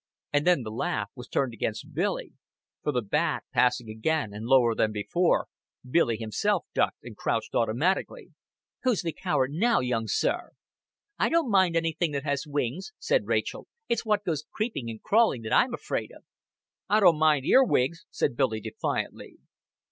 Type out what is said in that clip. And then the laugh was turned against Billy; for the bat passing again and lower than before, Billy himself ducked and crouched automatically. "Who's the coward now, young sir?" "I don't mind anything that has wings," said Rachel. "It's what goes creeping and crawling that I'm afraid of." "I don't mind ear wigs," said Billy defiantly.